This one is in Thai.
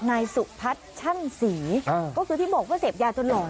นายสุภัทรชั่นสีก็คือบอกว่าเศพยาตุลรม